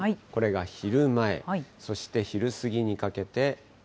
これが昼前、そして昼過ぎにかけて。